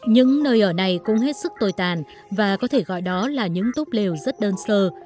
những nơi ở này cũng hết sức tồi tàn và có thể gọi đó là những túp lều rất đơn sơ